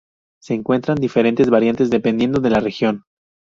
Se encuentran diferentes variantes dependiendo de la región.